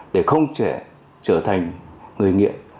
để không trở thành người nghiện